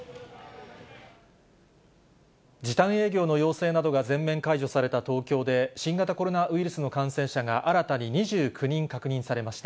時短営業の要請などが全面解除された東京で、新型コロナウイルスの感染者が新たに２９人確認されました。